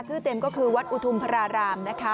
เต็มก็คือวัดอุทุมพระรารามนะคะ